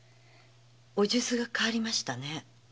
お数珠が変わりましたね？